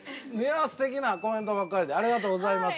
すてきなコメントばっかりでありがとうございます。